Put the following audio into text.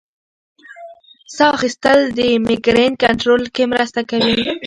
ساه اخیستل د مېګرین کنټرول کې مرسته کوي.